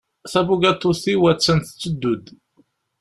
Tabugaṭut-iw attan tetteddu-d.